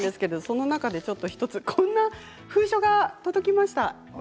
その中でこんな封書が届きました。